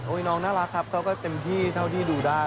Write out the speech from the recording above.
น้องน่ารักครับเขาก็เต็มที่เท่าที่ดูได้